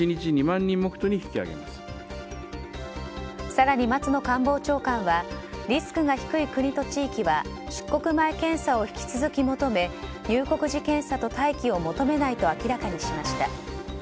更に、松野官房長官はリスクが低い国と地域は出国前検査を引き続き求め入国時検査と待機を求めないと明らかにしました。